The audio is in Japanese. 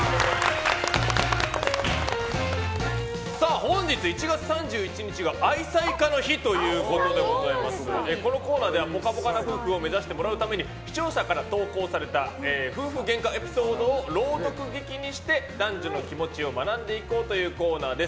本日１月３１日は愛妻家の日ということでこのコーナーではぽかぽかな夫婦を目指してもらうために視聴者から投稿された夫婦げんかエピソードを朗読劇にして男女の気持ちを学んでいこうというコーナーです。